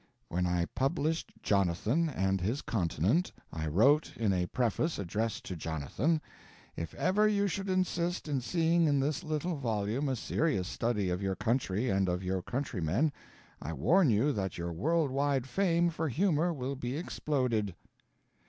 [When I published Jonathan and his Continent, I wrote in a preface addressed to Jonathan: "If ever you should insist in seeing in this little volume a serious study of your country and of your countrymen, I warn you that your world wide fame for humor will be exploded."